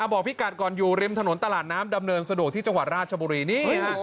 บอกพี่กัดก่อนอยู่ริมถนนตลาดน้ำดำเนินสะดวกที่จังหวัดราชบุรีนี่